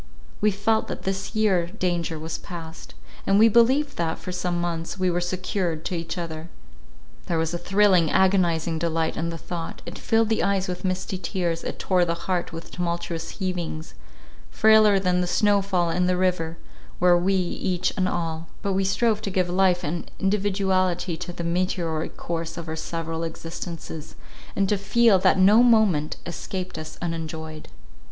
We felt that for this year danger was past; and we believed that, for some months, we were secured to each other. There was a thrilling, agonizing delight in the thought—it filled the eyes with misty tears, it tore the heart with tumultuous heavings; frailer than the "snow fall in the river," were we each and all—but we strove to give life and individuality to the meteoric course of our several existences, and to feel that no moment escaped us unenjoyed.